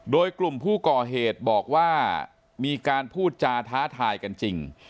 โดยกลุ่มผู้ก่อเหตุบอกว่ามีการพูดจาท้าทายกันจริง